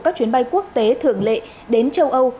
các chuyến bay quốc tế thường lệ đến châu âu